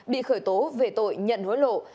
bị khởi tố về tội nhận hối lộ